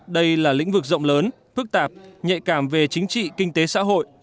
đây là lĩnh vực rộng lớn phức tạp nhạy cảm về chính trị kinh tế xã hội